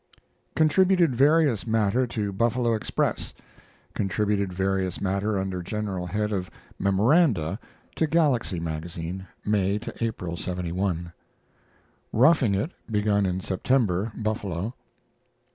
Contributed various matter to Buffalo Express. Contributed various matter under general head of "MEMORANDA" to Galaxy Magazine, May to April, '71. ROUGHING IT begun in September (Buffalo).